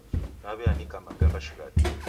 Naw'eanika mapemba shighadi.